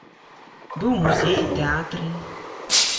Быў у музеі, тэатры.